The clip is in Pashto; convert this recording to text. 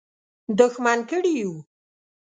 دښمن کړي یو.